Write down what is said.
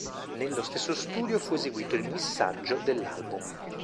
Nello stesso studio fu eseguito il missaggio dell'album.